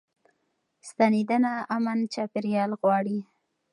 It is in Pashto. ستنېدنه امن چاپيريال غواړي.